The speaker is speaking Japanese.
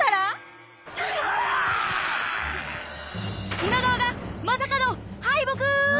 今川がまさかの敗北！